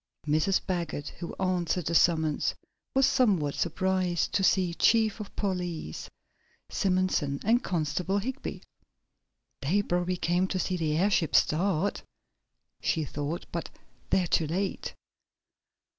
Mrs. Baggert, who answered the summons, was somewhat surprised to see Chief of Police Simonson and Constable Higby. "They probably came to see the airship start," she thought, "but they're too late."